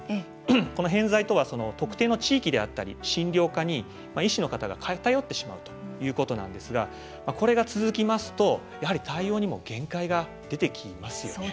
この偏在とは特定の地域であったり診療科に医師の方が偏ってしまうということなんですがこれが続きますと対応にも限界が出てきますよね。